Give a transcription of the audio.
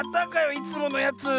いつものやつ。